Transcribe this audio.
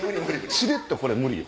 しれっとこれ無理よ。